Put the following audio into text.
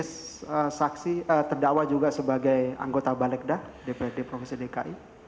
saksi saksi terdakwa juga sebagai anggota balegda dprd provinsi dki